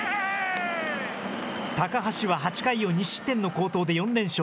高橋は８回を２失点の好投で４連勝。